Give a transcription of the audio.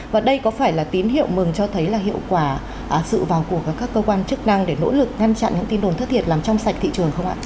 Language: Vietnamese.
và đây có phải là tín hiệu mừng cho thấy là hiệu quả sự vào cuộc của các cơ quan chức năng để nỗ lực ngăn chặn những tin đồn thất thiệt làm trong sạch thị trường không ạ